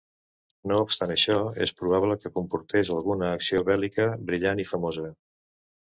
No obstant això, és probable que comportés alguna acció bèl·lica brillant i famosa.